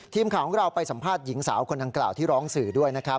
ทีมข่าวของเราไปสัมภาษณ์หญิงสาวคนดังกล่าวที่ร้องสื่อด้วยนะครับ